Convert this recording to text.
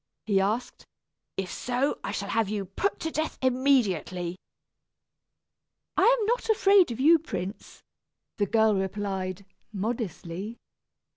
he asked. "If so, I shall have you put to death immediately." "I am not afraid of you, prince," the girl replied, modestly.